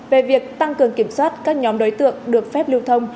về việc tăng cường kiểm soát các nhóm đối tượng được phép lưu thông